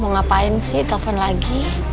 mau ngapain sih telepon lagi